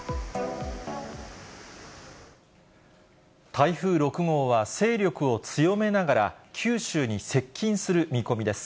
台風６号は勢力を強めながら、九州に接近する見込みです。